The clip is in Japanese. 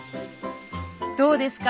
どうですか？